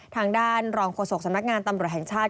ทางด้านรองโฆษกสำนักงานตำรวจแห่งชาติ